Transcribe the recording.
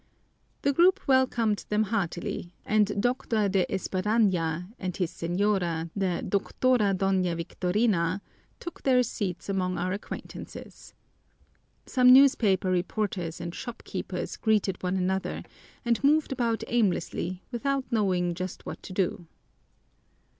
The group welcomed them heartily, and Doctor De Espadaña and his señora, the Doctora Doña Victorina, took their seats among our acquaintances. Some newspaper reporters and shopkeepers greeted one another and moved about aimlessly without knowing just what to do.